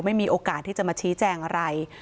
ไม่มีโอกาสที่จะมาชี้แจงอะไร